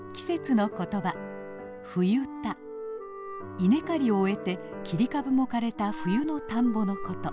稲刈りを終えて切り株も枯れた冬の田んぼのこと。